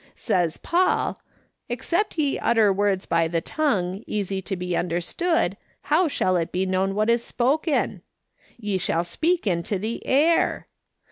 Says Paul, ' Except ye utter words by the tongue, easy to be understood, how shall it be known what is spoken ?' Ye shall speak into the air